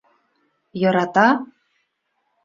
Ярата?